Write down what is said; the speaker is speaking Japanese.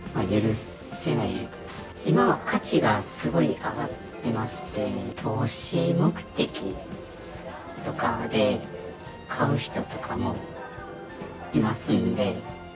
今、価値がすごい上がってまして、投資目的とかで買う人とかもいますんで。